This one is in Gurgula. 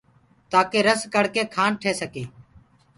تآکي رس ڪڙ ڪي کآنڊ ٺي سڪي۔